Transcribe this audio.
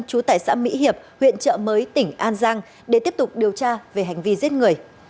chú tài xã mỹ hiệp huyện chợ mới tỉnh an giang để tiếp tục điều tra về hành vi giết người